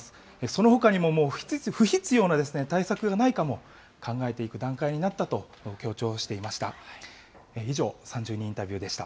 そのほかにも、もう不必要な対策がないかも、考えていく段階になったと強調していました。